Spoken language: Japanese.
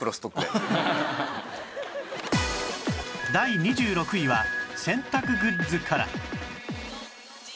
第２６位は洗濯グッズから